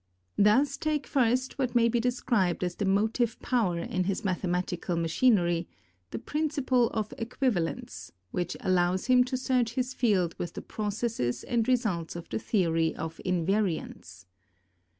Thus take first what may be described as the motive power in his mathe matical machinery — the Principle of Equivalence, which allows him to search his field with the processes and results of the theory of in variance.